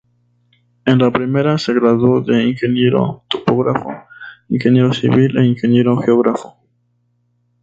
En la primera, se graduó de Ingeniero Topógrafo, Ingeniero Civil e Ingeniero Geógrafo.